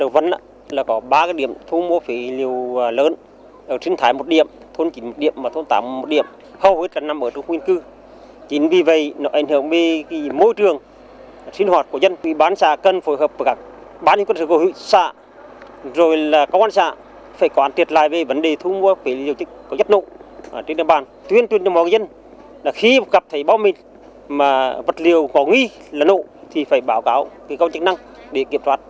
vật liệu có nghi là nộ thì phải báo cáo cái công chức năng để kiểm soát